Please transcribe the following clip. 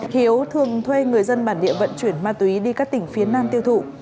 hiếu thường thuê người dân bản địa vận chuyển ma túy đi các tỉnh phía nam tiêu thụ